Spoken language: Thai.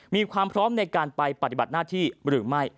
มีความพร้อมในการไปปฏิบัติหน้าที่หรือไม่